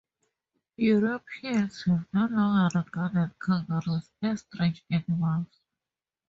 Europeans have long regarded kangaroos as strange animals.